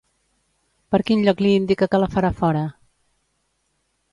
Per quin lloc li indica que la farà fora?